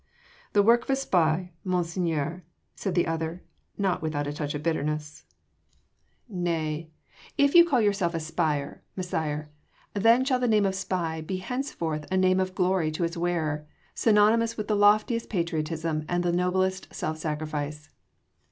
"The work of a spy, Monseigneur," said the other not without a touch of bitterness. "Nay! if you call yourself a spy, Messire, then shall the name of ’spy’ be henceforth a name of glory to its wearer, synonymous with the loftiest patriotism and noblest self sacrifice."